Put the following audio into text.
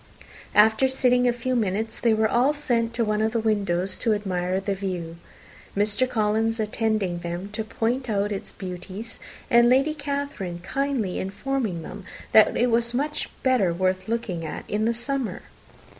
After sitting a few minutes, they were all sent to one of the windows to admire the view, Mr. Collins attending them to point out its beauties, and Lady Catherine kindly informing them that it was much better worth looking at in the summer.